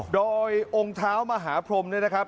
โดยองค์เท้ามหาพรมเนี่ยนะครับ